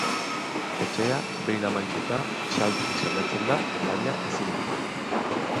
Etxea behin amaituta, saltzen saiatzen da, baina ezin du.